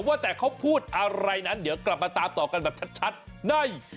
ว่าแต่เขาพูดอะไรนั้นเดี๋ยวกลับมาตามต่อกันแบบชัดใน